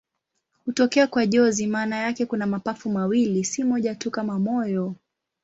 Hutokea kwa jozi maana yake kuna mapafu mawili, si moja tu kama moyo.